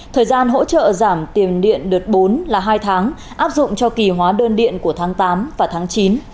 thời gian hỗ trợ giảm tiền điện đợt bốn là hai tháng áp dụng cho kỳ hóa đơn điện của tháng tám và tháng chín